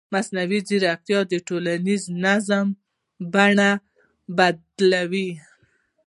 مصنوعي ځیرکتیا د ټولنیز نظم بڼه بدلوي.